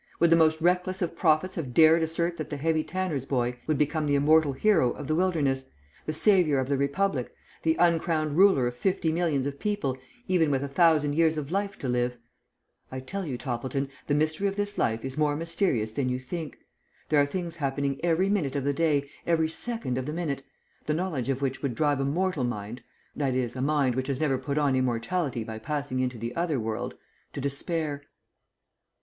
Would the most reckless of prophets have dared assert that the heavy tanner's boy would become the immortal hero of the Wilderness, the saviour of the Republic, the uncrowned ruler of fifty millions of people even with a thousand years of life to live? I tell you, Toppleton, the mystery of this life is more mysterious than you think. There are things happening every minute of the day, every second of the minute, the knowledge of which would drive a mortal mind that is, a mind which has never put on immortality by passing into the other world to despair."